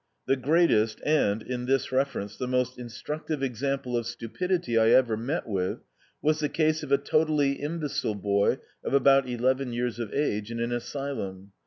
The greatest, and, in this reference, the most instructive example of stupidity I ever met with, was the case of a totally imbecile boy of about eleven years of age, in an asylum.